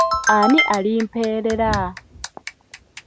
Ani alimperera?